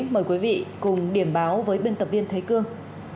mời quý vị cùng điểm báo với biên tập viên thế cương